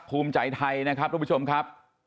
ภูมิใจไทยทุกคุณผู้ชมครับ